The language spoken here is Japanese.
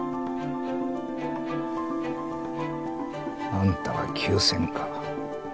あんたは急戦か。